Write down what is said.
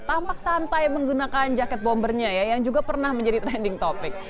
tampak santai menggunakan jaket bombernya ya yang juga pernah menjadi trending topic